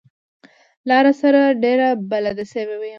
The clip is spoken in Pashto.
لاره سره ډېر بلد شوی يم.